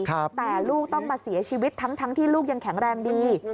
แต่ลูกต้องมาเสียชีวิตทั้งที่ลูกยังแข็งแรงดี